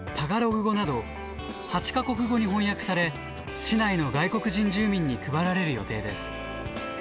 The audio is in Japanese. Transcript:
語など８か国語に翻訳され市内の外国人住民に配られる予定です。